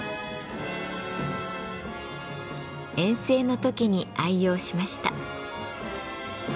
遠征の時に愛用しました。